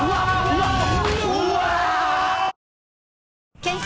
うわっ！